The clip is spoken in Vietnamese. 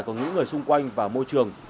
của những người xung quanh và môi trường